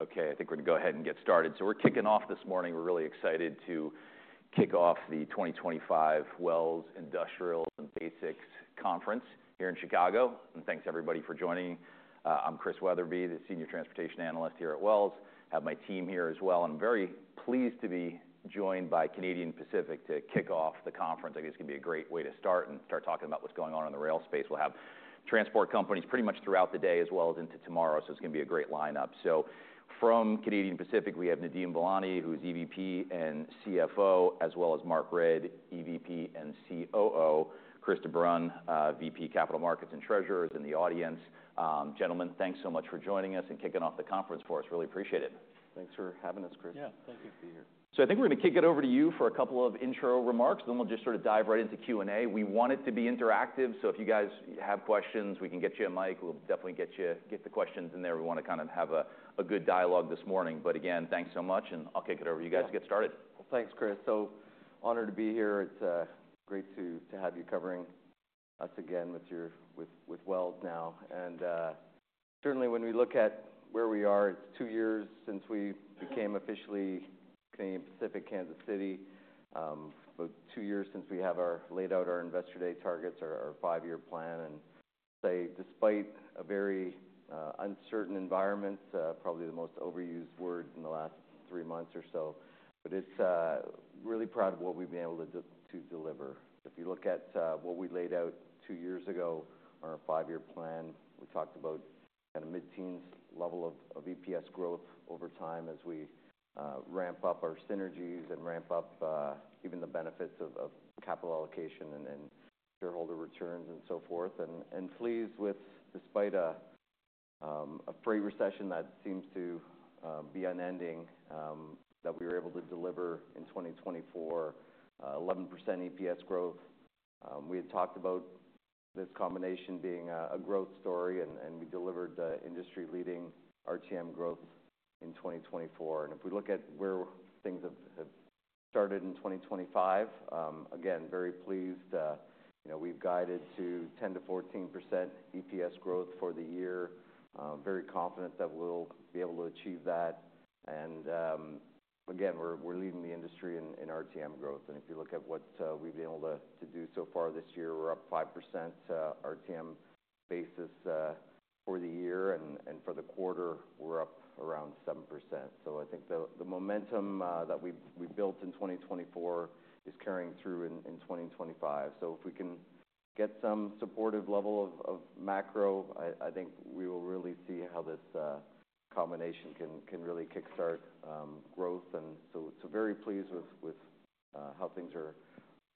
Okay, I think we're going to go ahead and get started. We're kicking off this morning. We're really excited to kick off the 2025 Wells Industrials and Basics Conference here in Chicago. Thanks to everybody for joining. I'm Chris Weatherbee, the Senior Transportation Analyst here at Wells. I have my team here as well. I'm very pleased to be joined by Canadian Pacific to kick off the conference. I think it's going to be a great way to start and start talking about what's going on in the rail space. We'll have transport companies pretty much throughout the day as well as into tomorrow. It's going to be a great lineup. From Canadian Pacific, we have Nadeem Velani, who's EVP and CFO, as well as Mark Redd, EVP and COO, Chris de Bruyn, VP Capital Markets and Treasurer is in the audience. Gentlemen, thanks so much for joining us and kicking off the conference for us. Really appreciate it. Thanks for having us, Chris. Yeah, thank you for being here. I think we're going to kick it over to you for a couple of intro remarks, then we'll just sort of dive right into Q&A. We want it to be interactive. If you guys have questions, we can get you a mic. We'll definitely get you the questions in there. We want to kind of have a good dialogue this morning. Again, thanks so much, and I'll kick it over to you guys to get started. Thanks, Chris. So honored to be here. It's great to have you covering us again with Wells now. Certainly when we look at where we are, it's two years since we became officially Canadian Pacific Kansas City, two years since we laid out our investor day targets, our five-year plan. I'd say despite a very uncertain environment, probably the most overused word in the last three months or so, but it's really proud of what we've been able to deliver. If you look at what we laid out two years ago, our five-year plan, we talked about kind of mid-teens level of EPS growth over time as we ramp up our synergies and ramp up even the benefits of capital allocation and shareholder returns and so forth. Pleased with, despite a freight recession that seems to be unending, that we were able to deliver in 2024, 11% EPS growth. We had talked about this combination being a growth story, and we delivered industry-leading RTM growth in 2024. If we look at where things have started in 2025, again, very pleased. We have guided to 10-14% EPS growth for the year. Very confident that we will be able to achieve that. Again, we are leading the industry in RTM growth. If you look at what we have been able to do so far this year, we are up 5% RTM basis for the year. For the quarter, we are up around 7%. I think the momentum that we built in 2024 is carrying through in 2025. If we can get some supportive level of macro, I think we will really see how this combination can really kickstart growth. I am very pleased with how things are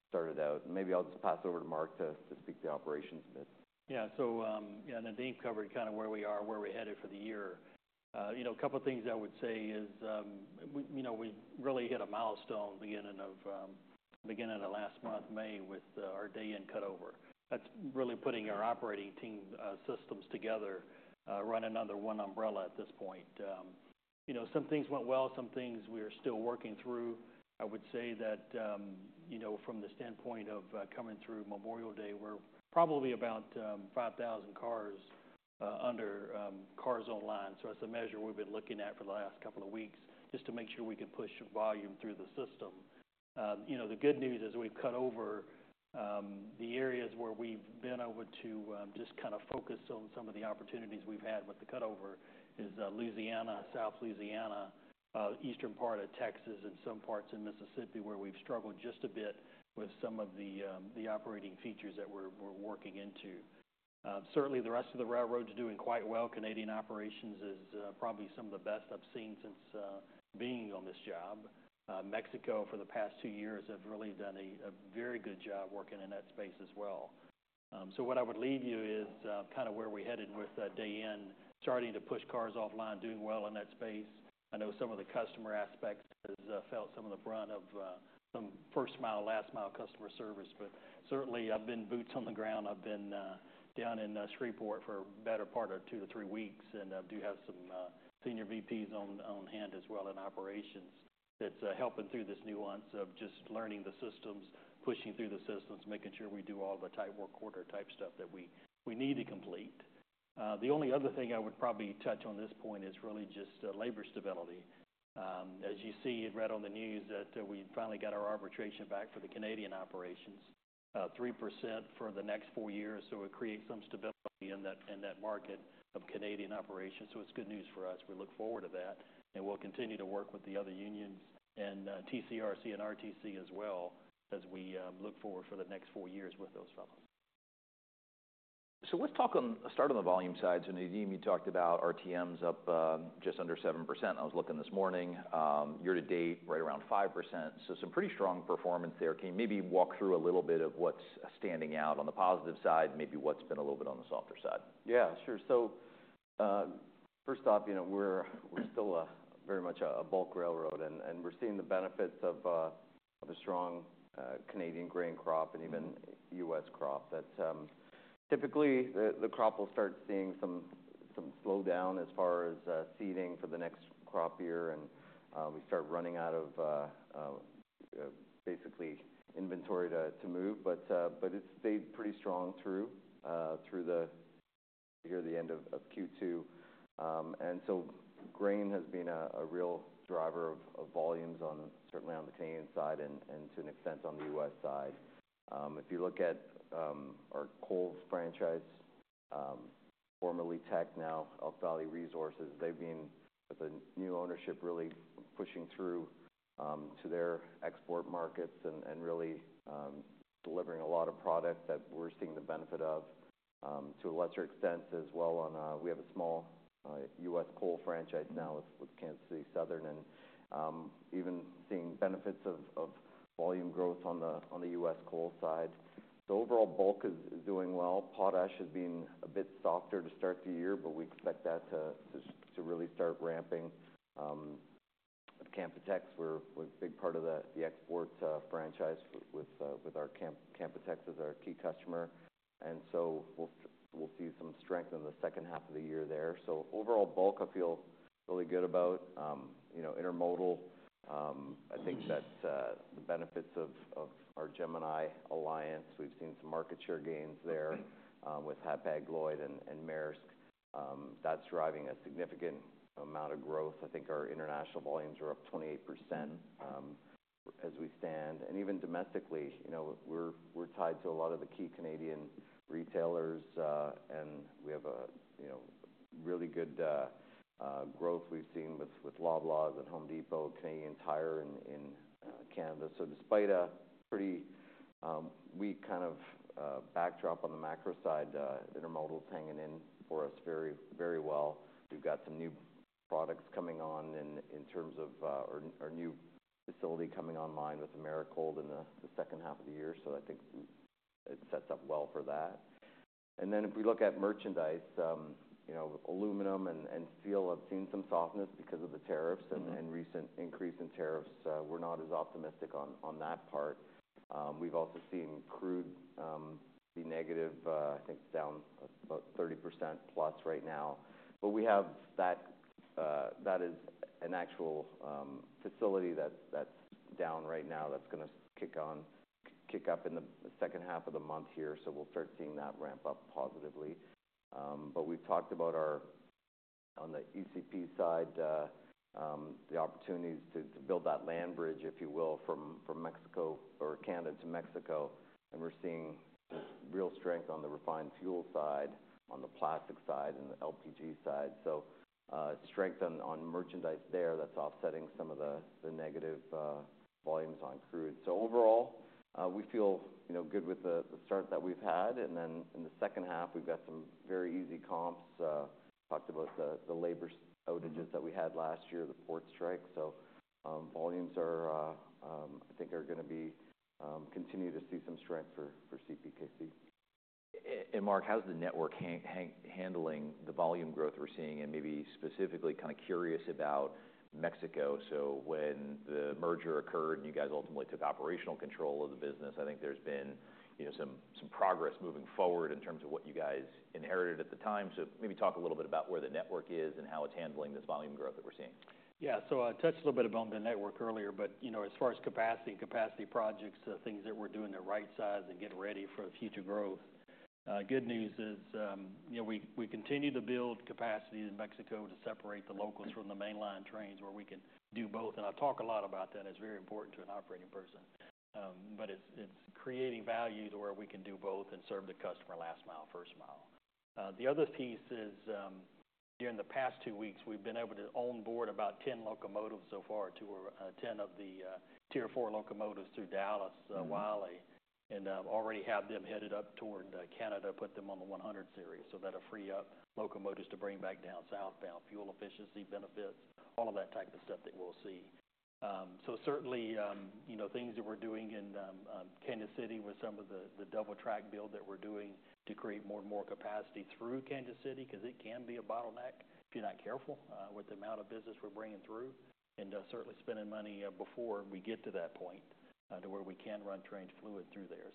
started out. Maybe I'll just pass it over to Mark to speak to operations a bit. Yeah, so Nadeem covered kind of where we are, where we're headed for the year. A couple of things I would say is we really hit a milestone beginning of the last month, May, with our day in cutover. That's really putting our operating team systems together, running under one umbrella at this point. Some things went well. Some things we are still working through. I would say that from the standpoint of coming through Memorial Day, we're probably about 5,000 cars under cars online. So that's a measure we've been looking at for the last couple of weeks just to make sure we can push volume through the system. The good news is we've cut over. The areas where we've been able to just kind of focus on some of the opportunities we've had with the cutover is Louisiana, South Louisiana, eastern part of Texas, and some parts in Mississippi where we've struggled just a bit with some of the operating features that we're working into. Certainly, the rest of the railroads are doing quite well. Canadian operations is probably some of the best I've seen since being on this job. Mexico, for the past two years, has really done a very good job working in that space as well. What I would leave you is kind of where we headed with day in, starting to push cars offline, doing well in that space. I know some of the customer aspects have felt some of the brunt of some first-mile, last-mile customer service. Certainly, I've been boots on the ground. I've been down in Shreveport for the better part of two to three weeks, and I do have some senior VPs on hand as well in operations that's helping through this nuance of just learning the systems, pushing through the systems, making sure we do all the tight work order type stuff that we need to complete. The only other thing I would probably touch on this point is really just labor stability. As you see it read on the news that we finally got our arbitration back for the Canadian Operations, 3% for the next four years. It creates some stability in that market of Canadian Operations. It is good news for us. We look forward to that. We will continue to work with the other unions and TCRC and RTC as well as we look forward for the next four years with those fellows. Let's start on the volume side. Nadeem, you talked about RTMs up just under 7%. I was looking this morning. Year to date, right around 5%. Some pretty strong performance there. Can you maybe walk through a little bit of what's standing out on the positive side, maybe what's been a little bit on the softer side? Yeah, sure. First off, we're still very much a bulk railroad, and we're seeing the benefits of a strong Canadian grain crop and even U.S. crop. Typically, the crop will start seeing some slowdown as far as seeding for the next crop year, and we start running out of basically inventory to move. It stayed pretty strong through the end of Q2. Grain has been a real driver of volumes, certainly on the Canadian side and to an extent on the U.S. side. If you look at our coal franchise, formerly Teck, now Elk Valley Resources, they've been, with a new ownership, really pushing through to their export markets and really delivering a lot of product that we're seeing the benefit of to a lesser extent as well. We have a small U.S. coal franchise now with Kansas City Southern and even seeing benefits of volume growth on the U.S. coal side. The overall bulk is doing well. Potash has been a bit softer to start the year, but we expect that to really start ramping. Canpotex was a big part of the export franchise with our Canpotex as our key customer. We'll see some strength in the second half of the year there. Overall bulk, I feel really good about. Intermodal, I think that the benefits of our Gemini Alliance, we've seen some market share gains there with Hapag-Lloyd and Maersk. That's driving a significant amount of growth. I think our international volumes are up 28% as we stand. Even domestically, we're tied to a lot of the key Canadian retailers, and we have a really good growth we've seen with Loblaw and Home Depot, Canadian Tire in Canada. Despite a pretty weak kind of backdrop on the macro side, Intermodal's hanging in for us very well. We've got some new products coming on in terms of our new facility coming online with Americold in the second half of the year. I think it sets up well for that. If we look at merchandise, aluminum and steel, I've seen some softness because of the tariffs and recent increase in tariffs. We're not as optimistic on that part. We've also seen crude be negative. I think it's down about 30% plus right now. We have that. That is an actual facility that's down right now that's going to kick up in the second half of the month here. We'll start seeing that ramp up positively. We've talked about our, on the ECP side, the opportunities to build that land bridge, if you will, from Canada to Mexico. We're seeing real strength on the refined fuel side, on the plastic side, and the LPG side. Strength on merchandise there is offsetting some of the negative volumes on crude. Overall, we feel good with the start that we've had. In the second half, we've got some very easy comps. Talked about the labor outages that we had last year, the port strike. Volumes, I think, are going to continue to see some strength for CPKC. Mark, how's the network handling the volume growth we're seeing? Maybe specifically kind of curious about Mexico. When the merger occurred and you guys ultimately took operational control of the business, I think there's been some progress moving forward in terms of what you guys inherited at the time. Maybe talk a little bit about where the network is and how it's handling this volume growth that we're seeing. Yeah, so I touched a little bit about the network earlier, but as far as capacity and capacity projects, things that we're doing to right-size and get ready for future growth, good news is we continue to build capacity in Mexico to separate the locals from the mainline trains where we can do both. I talk a lot about that. It's very important to an operating person. It's creating value to where we can do both and serve the customer last mile, first mile. The other piece is during the past two weeks, we've been able to onboard about 10 locomotives so far, 10 of the Tier 4 locomotives through Dallas, Wiley, and already have them headed up toward Canada, put them on the 100 series. That will free up locomotives to bring back down southbound fuel efficiency benefits, all of that type of stuff that we will see. Certainly, things that we are doing in Kansas City with some of the double track build that we are doing to create more and more capacity through Kansas City, because it can be a bottleneck if you are not careful with the amount of business we are bringing through. Certainly spending money before we get to that point to where we can run trains fluid through there.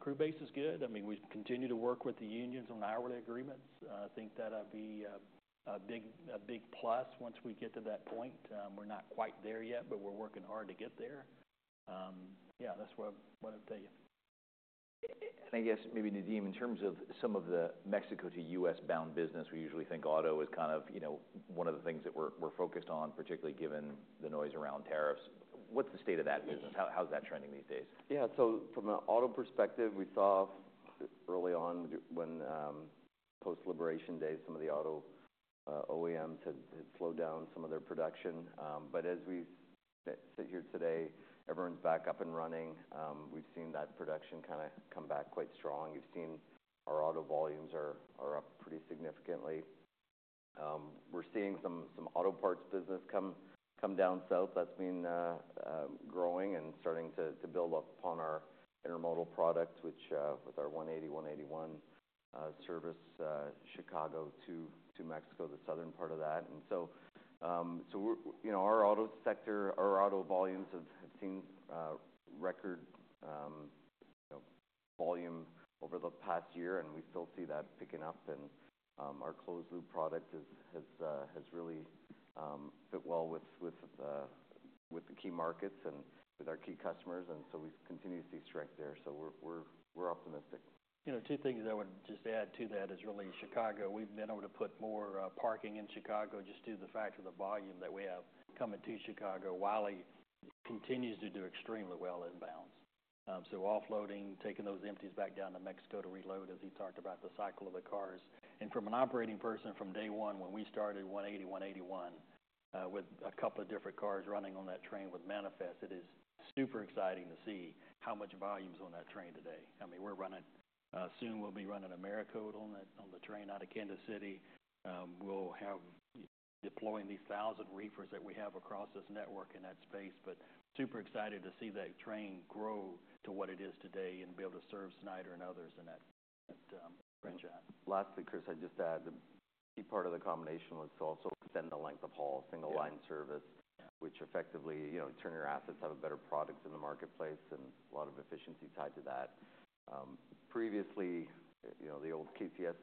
Crew base is good. I mean, we continue to work with the unions on hourly agreements. I think that would be a big plus once we get to that point. We are not quite there yet, but we are working hard to get there. Yeah, that is what I would tell you. I guess maybe, Nadeem, in terms of some of the Mexico to U.S.-bound business, we usually think auto is kind of one of the things that we're focused on, particularly given the noise around tariffs. What's the state of that business? How's that trending these days? Yeah, so from an auto perspective, we saw early on when post-liberation days, some of the auto OEMs had slowed down some of their production. But as we sit here today, everyone's back up and running. We've seen that production kind of come back quite strong. You've seen our auto volumes are up pretty significantly. We're seeing some auto parts business come down south. That's been growing and starting to build upon our Intermodal product, which with our 180/181 Service Chicago to Mexico, the southern part of that. Our auto sector, our auto volumes have seen record volume over the past year, and we still see that picking up. Our Closed-Loop Product has really fit well with the key markets and with our key customers. We continue to see strength there. We're optimistic. Two things I would just add to that is really Chicago. We have been able to put more parking in Chicago just due to the fact of the volume that we have coming to Chicago. Wiley continues to do extremely well inbounds. Offloading, taking those empties back down to Mexico to reload, as he talked about, the cycle of the cars. From an operating person, from day one, when we started 180/181 with a couple of different cars running on that train with Manifest, it is super exciting to see how much volume is on that train today. I mean, we are running, soon we will be running Americold on the train out of Kansas City. We will have deploying these thousand reefers that we have across this network in that space. Super excited to see that train grow to what it is today and be able to serve Snyder and others in that franchise. Lastly, Chris, I'd just add the key part of the combination was to also extend the length of haul, single line service, which effectively turns your assets, have a better product in the marketplace, and a lot of efficiency tied to that. Previously, the old KCS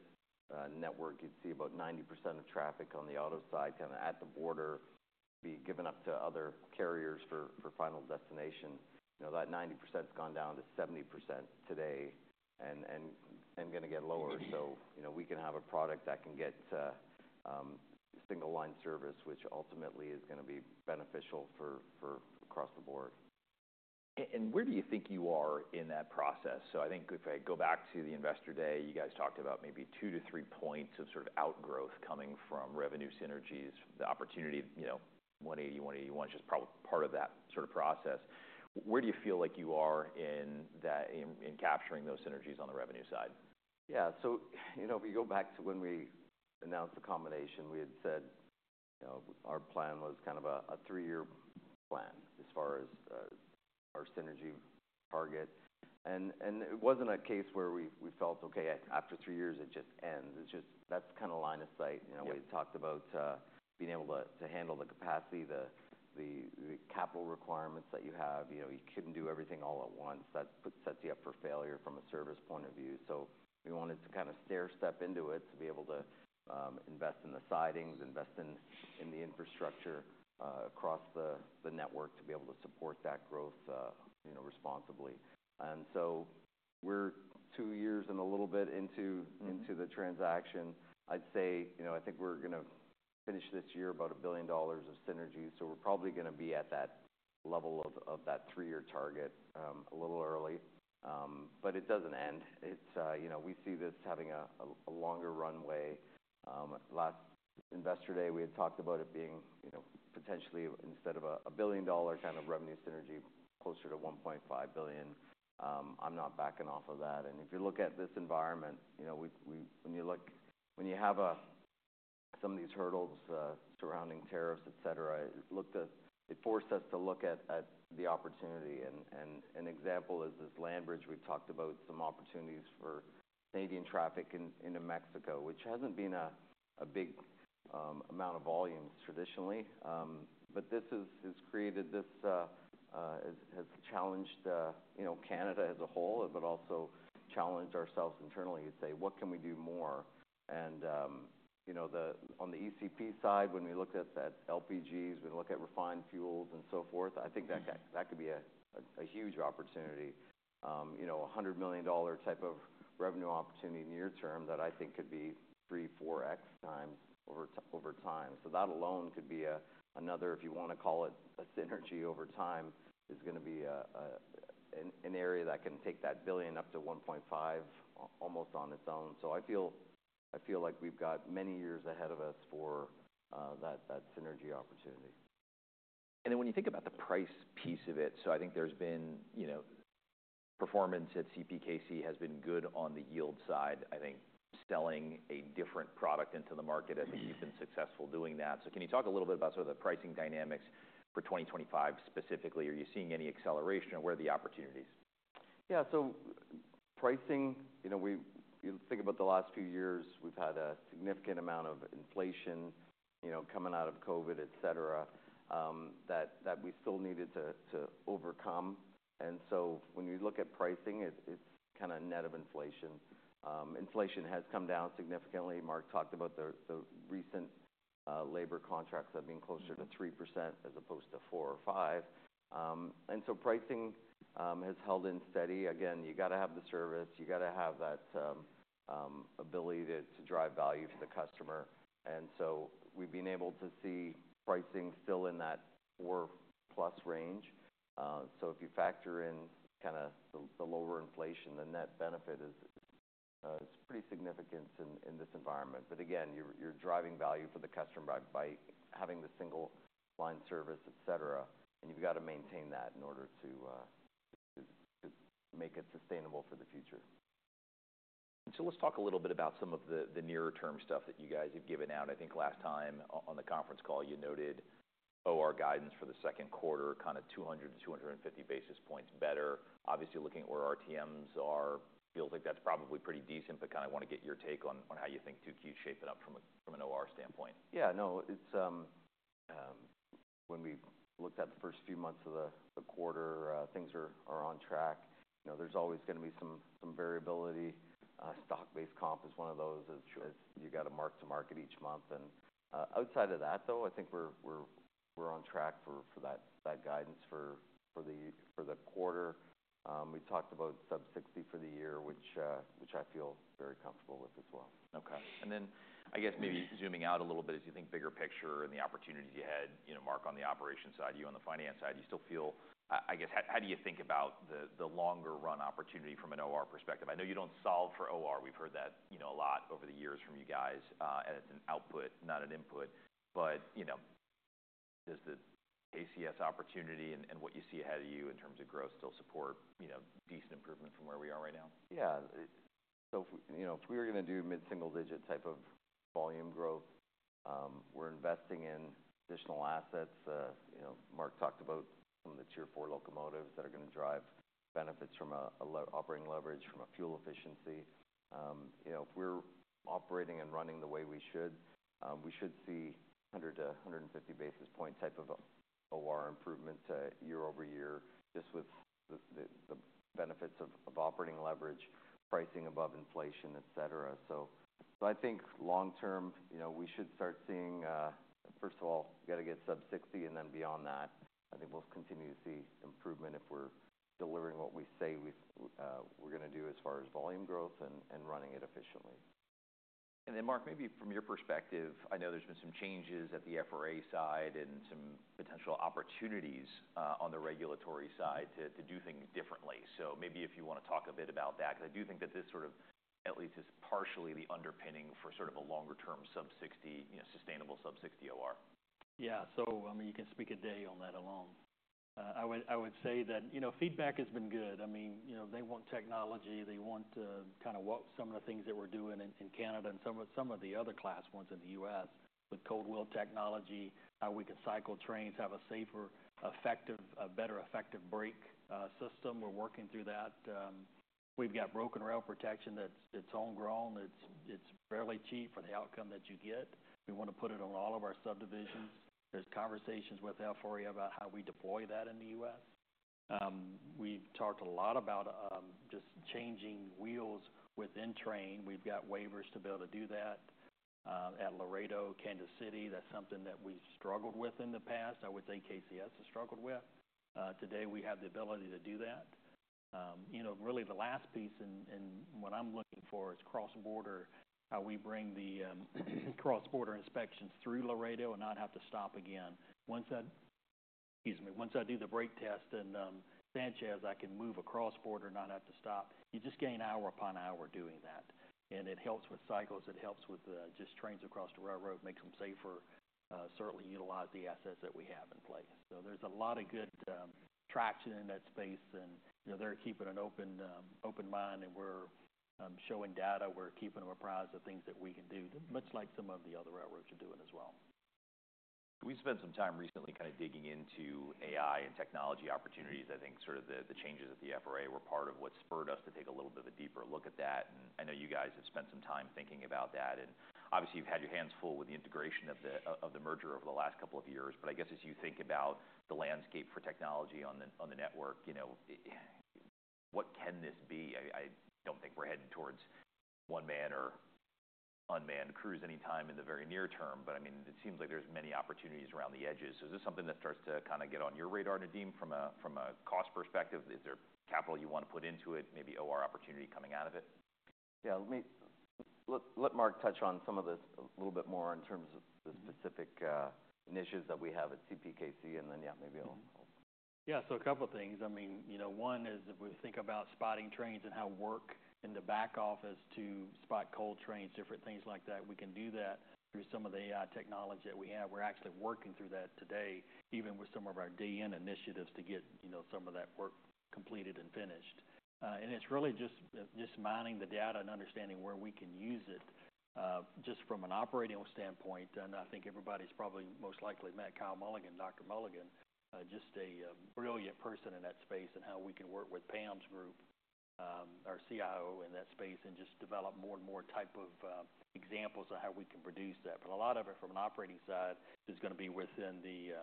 network, you'd see about 90% of traffic on the auto side kind of at the border be given up to other carriers for final destination. That 90% has gone down to 70% today and going to get lower. We can have a product that can get single line service, which ultimately is going to be beneficial across the board. Where do you think you are in that process? I think if I go back to the investor day, you guys talked about maybe two to three percentage points of sort of outgrowth coming from revenue synergies, the opportunity 180, 181, which is probably part of that sort of process. Where do you feel like you are in capturing those synergies on the revenue side? Yeah, if you go back to when we announced the combination, we had said our plan was kind of a three-year plan as far as our synergy target. It was not a case where we felt, "Okay, after three years, it just ends." That is kind of line of sight. We had talked about being able to handle the capacity, the capital requirements that you have. You could not do everything all at once. That sets you up for failure from a service point of view. We wanted to kind of stair-step into it to be able to invest in the sidings, invest in the infrastructure across the network to be able to support that growth responsibly. We are two years and a little bit into the transaction. I would say I think we are going to finish this year about $1 billion of synergy. We're probably going to be at that level of that three-year target a little early. It doesn't end. We see this having a longer runway. Last investor day, we had talked about it being potentially instead of a $1 billion kind of revenue synergy, closer to $1.5 billion. I'm not backing off of that. If you look at this environment, when you have some of these hurdles surrounding tariffs, etc., it forced us to look at the opportunity. An example is this land bridge. We've talked about some opportunities for Canadian traffic into Mexico, which hasn't been a big amount of volumes traditionally. This has challenged Canada as a whole, but also challenged ourselves internally to say, "What can we do more?" On the ECP side, when we looked at LPGs, we looked at refined fuels and so forth, I think that could be a huge opportunity, a $100 million type of revenue opportunity near-term that I think could be three-four X times over time. That alone could be another, if you want to call it a synergy over time, is going to be an area that can take that billion up to $1.5 billion almost on its own. I feel like we have got many years ahead of us for that synergy opportunity. When you think about the price piece of it, I think there's been performance at CPKC has been good on the yield side. I think selling a different product into the market, I think you've been successful doing that. Can you talk a little bit about sort of the pricing dynamics for 2025 specifically? Are you seeing any acceleration? Where are the opportunities? Yeah, so pricing, you think about the last few years, we've had a significant amount of inflation coming out of COVID, etc., that we still needed to overcome. When you look at pricing, it's kind of net of inflation. Inflation has come down significantly. Mark talked about the recent labor contracts that have been closer to 3% as opposed to 4% or 5%. Pricing has held in steady. Again, you got to have the service. You got to have that ability to drive value to the customer. We've been able to see pricing still in that 4% plus range. If you factor in kind of the lower inflation, the net benefit is pretty significant in this environment. Again, you're driving value for the customer by having the single line service, etc. You have got to maintain that in order to make it sustainable for the future. Let's talk a little bit about some of the near-term stuff that you guys have given out. I think last time on the conference call, you noted OR guidance for the second quarter, kind of 200-250 basis points better. Obviously, looking at where RTMs are, feels like that's probably pretty decent, but kind of want to get your take on how you think 2Q is shaping up from an OR standpoint. Yeah, no, when we looked at the first few months of the quarter, things are on track. There's always going to be some variability. Stock-based comp is one of those that you got to mark to market each month. Outside of that, though, I think we're on track for that guidance for the quarter. We talked about sub-60 for the year, which I feel very comfortable with as well. Okay. I guess maybe zooming out a little bit as you think bigger picture and the opportunities you had, Mark on the operation side, you on the finance side, you still feel, I guess, how do you think about the longer run opportunity from an OR perspective? I know you do not solve for OR. We have heard that a lot over the years from you guys, and it is an output, not an input. Does the KCS opportunity and what you see ahead of you in terms of growth still support decent improvement from where we are right now? Yeah. If we were going to do mid-single digit type of volume growth, we're investing in additional assets. Mark talked about some of the tier four locomotives that are going to drive benefits from operating leverage, from fuel efficiency. If we're operating and running the way we should, we should see 100-150 basis point type of OR improvement year over year just with the benefits of operating leverage, pricing above inflation, etc. I think long term, we should start seeing, first of all, we got to get sub 60, and then beyond that, I think we'll continue to see improvement if we're delivering what we say we're going to do as far as volume growth and running it efficiently. Mark, maybe from your perspective, I know there have been some changes at the FRA side and some potential opportunities on the regulatory side to do things differently. Maybe if you want to talk a bit about that, because I do think that this sort of at least is partially the underpinning for sort of a longer term sub-60, sustainable sub-60 OR. Yeah. So I mean, you can speak a day on that alone. I would say that feedback has been good. I mean, they want technology. They want kind of some of the things that we're doing in Canada and some of the other class ones in the U.S. with Coldwell technology, how we can cycle trains, have a safer, better effective brake system. We're working through that. We've got broken rail protection that's homegrown. It's fairly cheap for the outcome that you get. We want to put it on all of our subdivisions. There's conversations with FRA about how we deploy that in the U.S. We've talked a lot about just changing wheels within train. We've got waivers to be able to do that at Laredo, Kansas City. That's something that we've struggled with in the past. I would say KCS has struggled with. Today, we have the ability to do that. Really, the last piece and what I'm looking for is cross-border, how we bring the cross-border inspections through Laredo and not have to stop again. Once I do the brake test in Sanchez, I can move across border, not have to stop. You just gain hour upon hour doing that. It helps with cycles. It helps with just trains across the railroad, makes them safer, certainly utilize the assets that we have in place. There is a lot of good traction in that space, and they are keeping an open mind, and we are showing data. We are keeping them apprised of things that we can do, much like some of the other railroads are doing as well. We spent some time recently kind of digging into AI and technology opportunities. I think sort of the changes at the FRA were part of what spurred us to take a little bit of a deeper look at that. I know you guys have spent some time thinking about that. Obviously, you've had your hands full with the integration of the merger over the last couple of years. I guess as you think about the landscape for technology on the network, what can this be? I don't think we're heading towards one-man or unmanned crews anytime in the very near term. I mean, it seems like there's many opportunities around the edges. Is this something that starts to kind of get on your radar, Nadeem, from a cost perspective? Is there capital you want to put into it, maybe OR opportunity coming out of it? Yeah. Let Mark touch on some of this a little bit more in terms of the specific initiatives that we have at CPKC, and then yeah, maybe I'll. Yeah. A couple of things. I mean, one is if we think about spotting trains and how work in the back office to spot cold trains, different things like that, we can do that through some of the AI technology that we have. We're actually working through that today, even with some of our DN initiatives to get some of that work completed and finished. It's really just mining the data and understanding where we can use it just from an operating standpoint. I think everybody's probably most likely met Kyle Mulligan, Dr. Mulligan, just a brilliant person in that space and how we can work with Pam's group, our CIO in that space, and just develop more and more type of examples of how we can produce that. A lot of it from an operating side is going to be within the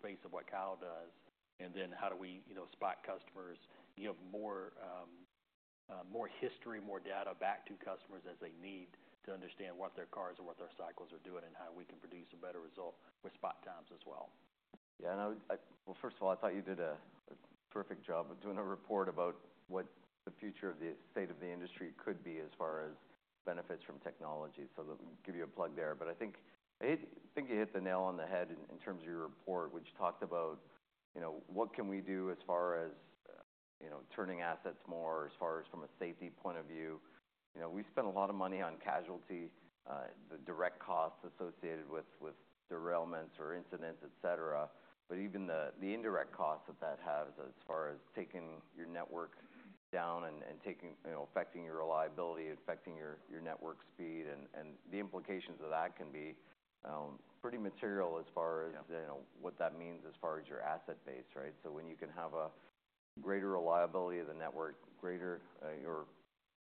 space of what Kyle does. Then how do we spot customers, give more history, more data back to customers as they need to understand what their cars or what their cycles are doing and how we can produce a better result with spot times as well. Yeah. First of all, I thought you did a perfect job of doing a report about what the future of the state of the industry could be as far as benefits from technology. I'll give you a plug there. I think you hit the nail on the head in terms of your report, which talked about what can we do as far as turning assets more as far as from a safety point of view. We spend a lot of money on casualty, the direct costs associated with derailments or incidents, etc., but even the indirect costs that that has as far as taking your network down and affecting your reliability, affecting your network speed, and the implications of that can be pretty material as far as what that means as far as your asset base, right? When you can have a greater reliability of the network,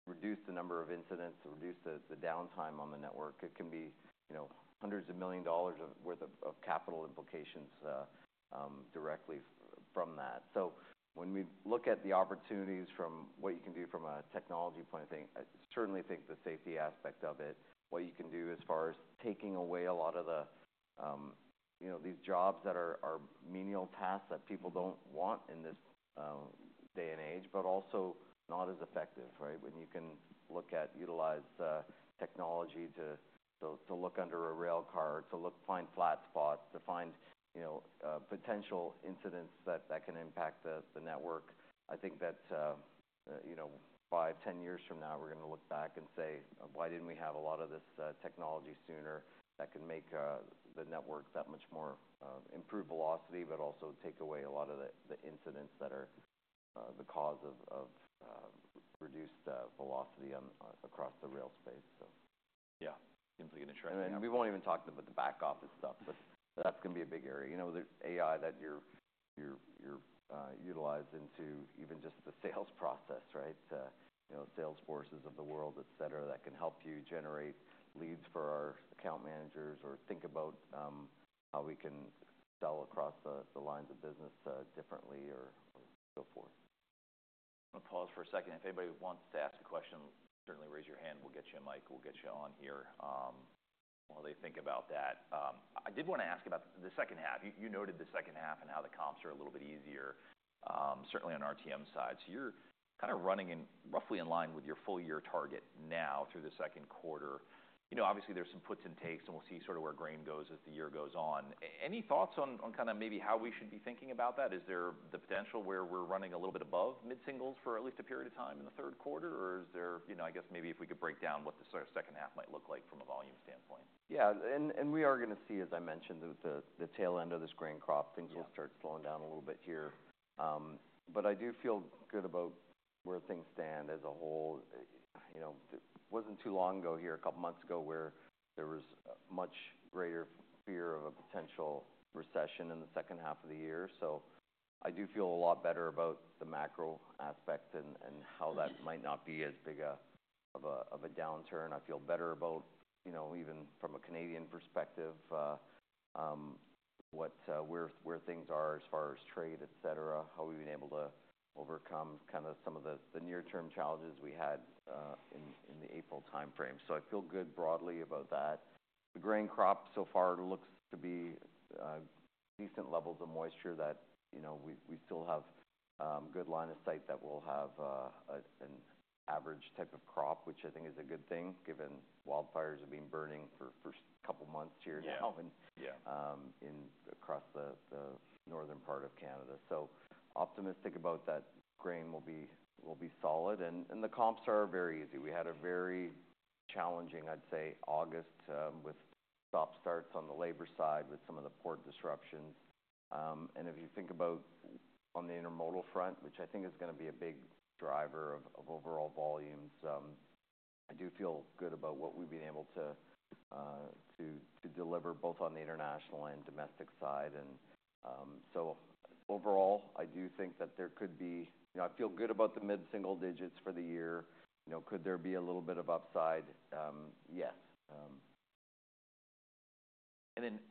reduce the number of incidents, reduce the downtime on the network, it can be hundreds of million dollars worth of capital implications directly from that. When we look at the opportunities from what you can do from a technology point of view, I certainly think the safety aspect of it, what you can do as far as taking away a lot of these jobs that are menial tasks that people do not want in this day and age, but also not as effective, right? When you can look at utilize technology to look under a rail car, to find flat spots, to find potential incidents that can impact the network. I think that 5, 10 years from now, we're going to look back and say, "Why didn't we have a lot of this technology sooner that can make the network that much more improve velocity, but also take away a lot of the incidents that are the cause of reduced velocity across the rail space? Yeah. Seems like an interesting point. We will not even talk about the back office stuff, but that is going to be a big area. AI that you utilize into even just the sales process, right? Salesforces of the world, etc., that can help you generate leads for our account managers or think about how we can sell across the lines of business differently or so forth. I'm going to pause for a second. If anybody wants to ask a question, certainly raise your hand. We'll get you a mic. We'll get you on here. While they think about that, I did want to ask about the second half. You noted the second half and how the comps are a little bit easier, certainly on the RTM side. So you're kind of running in roughly in line with your full year target now through the second quarter. Obviously, there's some puts and takes, and we'll see sort of where grain goes as the year goes on. Any thoughts on kind of maybe how we should be thinking about that? Is there the potential where we're running a little bit above mid-singles for at least a period of time in the third quarter? Or is there, I guess, maybe if we could break down what the second half might look like from a volume standpoint? Yeah. We are going to see, as I mentioned, the tail end of this grain crop. Things will start slowing down a little bit here. I do feel good about where things stand as a whole. It was not too long ago here, a couple of months ago, where there was much greater fear of a potential recession in the second half of the year. I do feel a lot better about the macro aspect and how that might not be as big of a downturn. I feel better about, even from a Canadian perspective, where things are as far as trade, etc., how we have been able to overcome kind of some of the near-term challenges we had in the April timeframe. I feel good broadly about that. The grain crop so far looks to be decent levels of moisture that we still have good line of sight that we'll have an average type of crop, which I think is a good thing given wildfires have been burning for a couple of months here now across the northern part of Canada. Optimistic about that grain will be solid. The comps are very easy. We had a very challenging, I'd say, August with stop starts on the labor side with some of the port disruptions. If you think about on the intermodal front, which I think is going to be a big driver of overall volumes, I do feel good about what we've been able to deliver both on the international and domestic side. Overall, I do think that there could be I feel good about the mid-single digits for the year. Could there be a little bit of upside? Yes.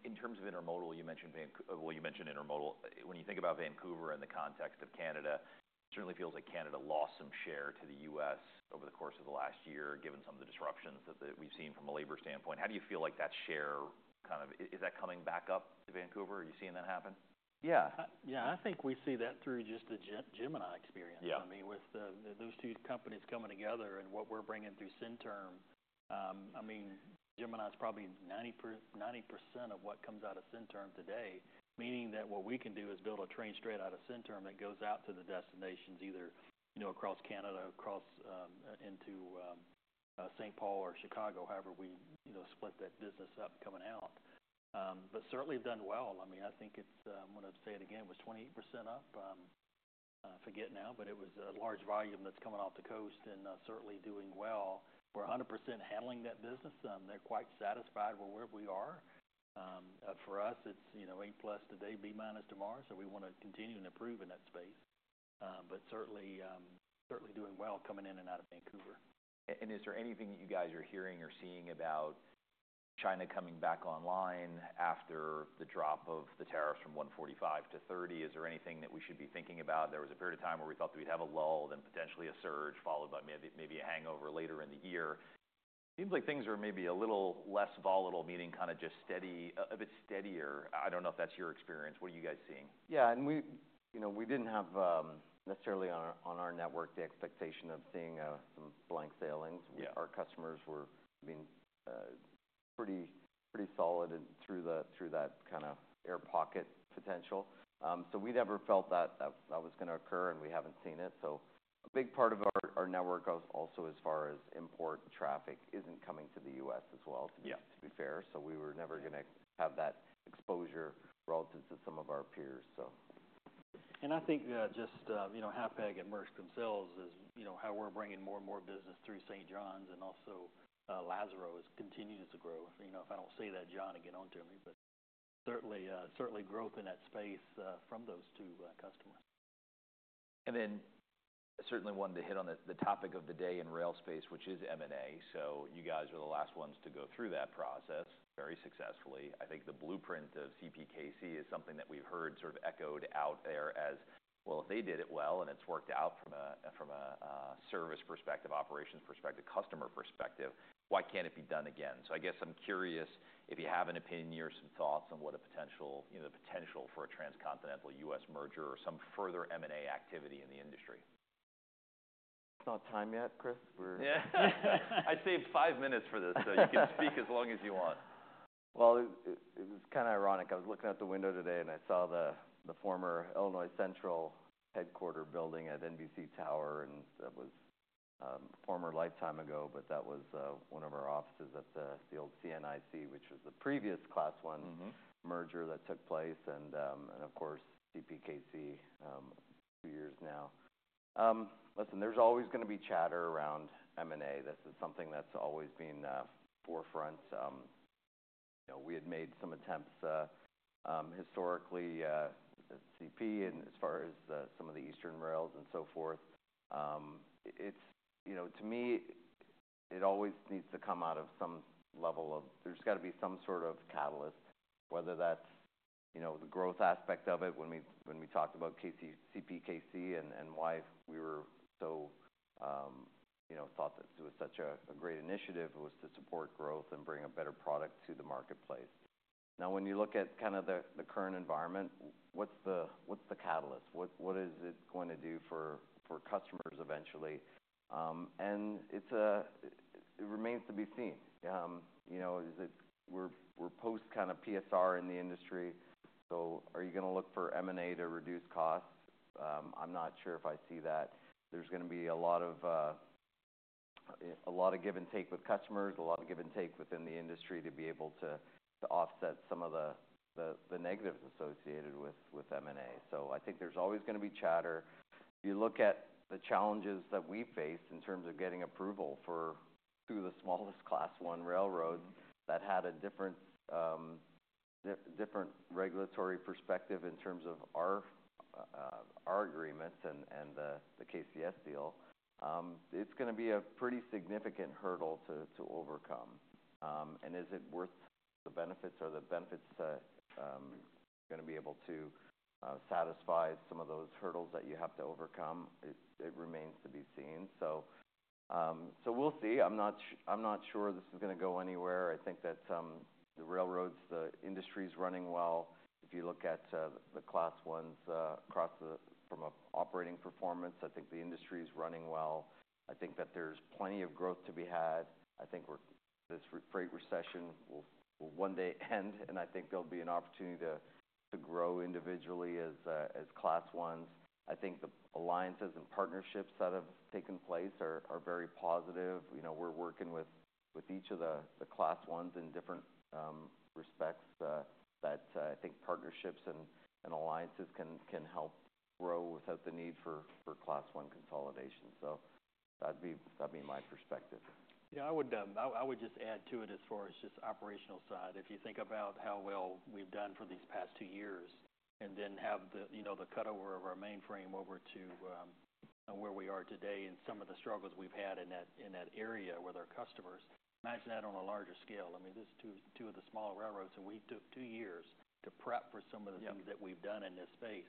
In terms of intermodal, you mentioned intermodal. When you think about Vancouver in the context of Canada, it certainly feels like Canada lost some share to the U.S. over the course of the last year, given some of the disruptions that we've seen from a labor standpoint. How do you feel like that share kind of is? Is that coming back up to Vancouver? Are you seeing that happen? Yeah. Yeah. I think we see that through just the Gemini experience. I mean, with those two companies coming together and what we're bringing through Centerm, I mean, Gemini is probably 90% of what comes out of Centerm today, meaning that what we can do is build a train straight out of Centerm that goes out to the destinations either across Canada, across into St. Paul or Chicago, however we split that business up coming out. Certainly done well. I mean, I think it's, I'm going to say it again, it was 28% up. I forget now, but it was a large volume that's coming off the coast and certainly doing well. We're 100% handling that business. They're quite satisfied with where we are. For us, it's A plus today, B minus tomorrow. We want to continue to improve in that space, but certainly doing well coming in and out of Vancouver. Is there anything that you guys are hearing or seeing about China coming back online after the drop of the tariffs from 145% to 30%? Is there anything that we should be thinking about? There was a period of time where we thought we'd have a lull, then potentially a surge followed by maybe a hangover later in the year. Seems like things are maybe a little less volatile, meaning kind of just a bit steadier. I don't know if that's your experience. What are you guys seeing? Yeah. We did not have necessarily on our network the expectation of seeing some blank sailings. Our customers were being pretty solid through that kind of air pocket potential. We never felt that that was going to occur, and we have not seen it. A big part of our network also as far as import traffic is not coming to the U.S. as well, to be fair. We were never going to have that exposure relative to some of our peers. I think just Hapag and Maersk themselves, how we're bringing more and more business through St. John's and also Lázaro is continuing to grow. If I don't say that, John, he'll get onto me, but certainly growth in that space from those two customers. Certainly, one to hit on the topic of the day in rail space, which is M&A. You guys are the last ones to go through that process very successfully. I think the blueprint of CPKC is something that we've heard sort of echoed out there as, well, if they did it well and it has worked out from a service perspective, operations perspective, customer perspective, why cannot it be done again? I guess I am curious if you have an opinion or some thoughts on what a potential for a transcontinental U.S. merger or some further M&A activity in the industry? It's not time yet, Chris. Yeah. I saved five minutes for this, so you can speak as long as you want. It was kind of ironic. I was looking out the window today, and I saw the former Illinois Central headquarter building at NBC Tower, and that was a former lifetime ago, but that was one of our offices at the old CNIC, which was the previous class one merger that took place. Of course, CPKC, two years now. Listen, there's always going to be chatter around M&A. This is something that's always been forefront. We had made some attempts historically at CP as far as some of the Eastern rails and so forth. To me, it always needs to come out of some level of there's got to be some sort of catalyst, whether that's the growth aspect of it. When we talked about CPKC and why we were so thought that it was such a great initiative, it was to support growth and bring a better product to the marketplace. Now, when you look at kind of the current environment, what's the catalyst? What is it going to do for customers eventually? It remains to be seen. We're post kind of PSR in the industry. Are you going to look for M&A to reduce costs? I'm not sure if I see that. There's going to be a lot of give and take with customers, a lot of give and take within the industry to be able to offset some of the negatives associated with M&A. I think there's always going to be chatter. If you look at the challenges that we faced in terms of getting approval for the smallest Class One railroad that had a different regulatory perspective in terms of our agreements and the KCS deal, it's going to be a pretty significant hurdle to overcome. Is it worth the benefits or are the benefits going to be able to satisfy some of those hurdles that you have to overcome? It remains to be seen. We'll see. I'm not sure this is going to go anywhere. I think that the railroads, the industry is running well. If you look at the Class Ones across from an operating performance, I think the industry is running well. I think that there's plenty of growth to be had. I think this freight recession will one day end, and I think there'll be an opportunity to grow individually as Class Ones. I think the alliances and partnerships that have taken place are very positive. We're working with each of the Class Ones in different respects that I think partnerships and alliances can help grow without the need for Class One consolidation. So that'd be my perspective. Yeah. I would just add to it as far as just operational side. If you think about how well we've done for these past two years and then have the cutover of our mainframe over to where we are today and some of the struggles we've had in that area with our customers, imagine that on a larger scale. I mean, this is two of the smaller railroads, and we took two years to prep for some of the things that we've done in this space.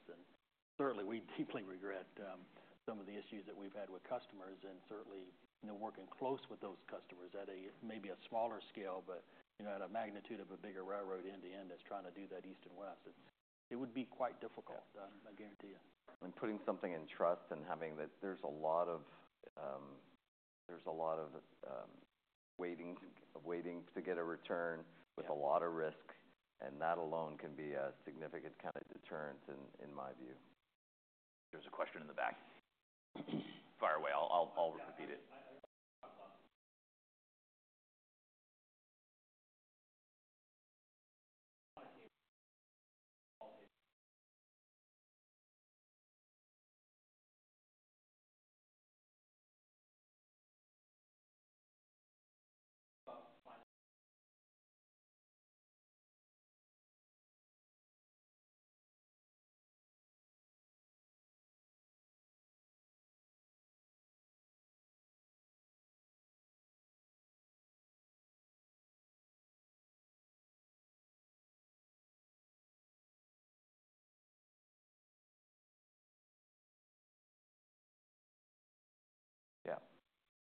Certainly, we deeply regret some of the issues that we've had with customers and certainly working close with those customers at maybe a smaller scale, but at a magnitude of a bigger railroad end to end that's trying to do that east and west. It would be quite difficult, I guarantee you. When putting something in trust and having that, there's a lot of waiting to get a return with a lot of risk, and that alone can be a significant kind of deterrent in my view. There's a question in the back. Fire away. I'll repeat it.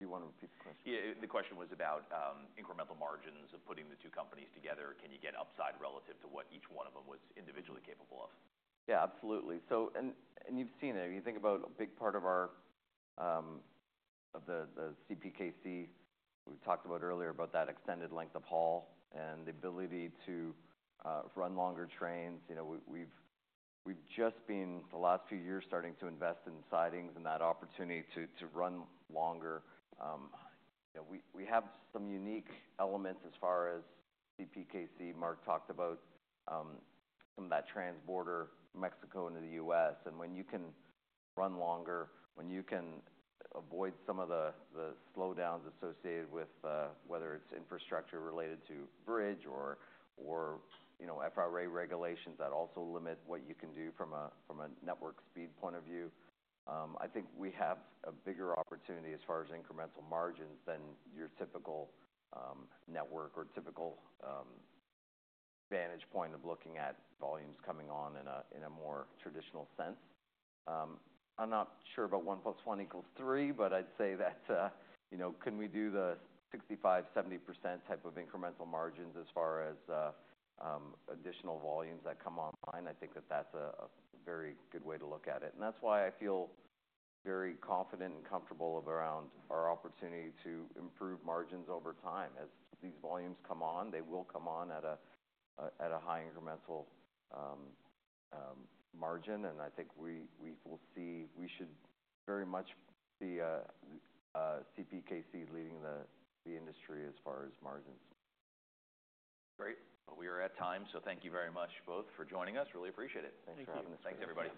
Yeah. Do you want to repeat the question? Yeah. The question was about incremental margins of putting the two companies together. Can you get upside relative to what each one of them was individually capable of? Yeah, absolutely. You have seen it. You think about a big part of the CPKC, we talked earlier about that extended length of haul and the ability to run longer trains. We have just been, the last few years, starting to invest in sidings and that opportunity to run longer. We have some unique elements as far as CPKC, Mark talked about, some of that trans-border Mexico into the U.S. When you can run longer, when you can avoid some of the slowdowns associated with whether it is infrastructure related to bridge or FRA regulations that also limit what you can do from a network speed point of view, I think we have a bigger opportunity as far as incremental margins than your typical network or typical vantage point of looking at volumes coming on in a more traditional sense. I'm not sure about 1 + 1 = 3, but I'd say that can we do the 65-70% type of incremental margins as far as additional volumes that come online? I think that that's a very good way to look at it. That is why I feel very confident and comfortable around our opportunity to improve margins over time. As these volumes come on, they will come on at a high incremental margin. I think we will see we should very much be CPKC leading the industry as far as margins. Great. We are at time, so thank you very much both for joining us. Really appreciate it. Thank you. Thanks everybody.